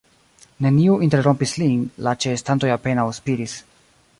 Neniu interrompis lin; la ĉeestantoj apenaŭ spiris.